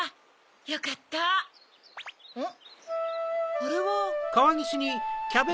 あれは。